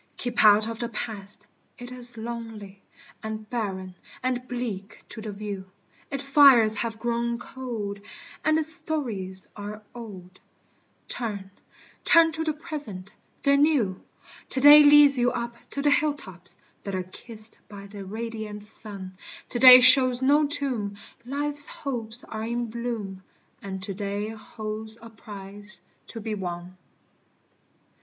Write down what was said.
Keep out of the Past. It is lonely, And barren and bleak to the view; Its fires have grown cold, and its stories are old Turn, turn to the Present the New: To day leads you up to the hilltops That are kissed by the radiant sun, To day shows no tomb, life's hopes are in bloom, And to day holds a prize to be won.